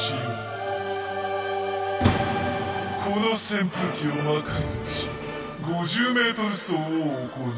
この扇風機を魔改造し５０メートル走を行う。